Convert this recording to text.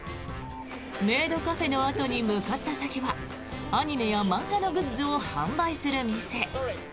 メイドカフェのあとに向かった先はアニメや漫画のグッズを販売する店。